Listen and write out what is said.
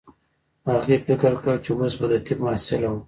هغې فکر کاوه چې اوس به د طب محصله وه